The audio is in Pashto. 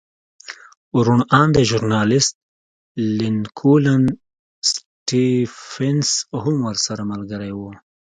روڼ اندی ژورنالېست لینکولن سټېفنس هم ورسره ملګری و